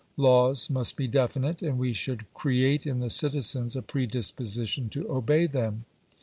Laws must be definite, and we should create in the citizens a predisposition to obey them.